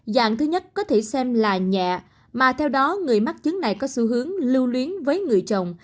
dạng thứ nhất có thể xem là nhẹ mà theo đó người mắc chứng này có xu hướng lưu luyến với người chồng